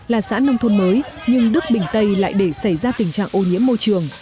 là xã nông thôn mới nhưng đức bình tây lại để xảy ra tình trạng ô nhiễm môi trường